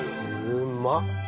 うまっ。